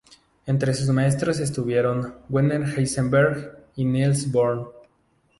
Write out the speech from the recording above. Entre sus maestros estuvieron Werner Heisenberg y Niels Bohr.